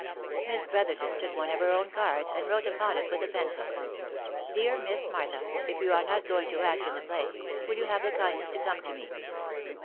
Miss Brotherton took one of her own cards, and wrote upon it with a pencil —" Dear Miss Martha, if you are not going to act in the play, will you have the kindness to come to me."